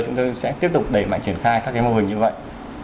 chúng tôi sẽ tiếp tục đẩy mạnh triển khai các mô hình như vậy